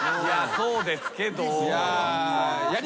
そうですけど。